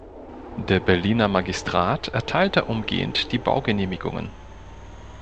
Der Berliner Magistrat erteilte umgehend die Baugenehmigungen.